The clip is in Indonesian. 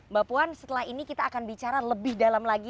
mbak puan setelah ini kita akan bicara lebih dalam lagi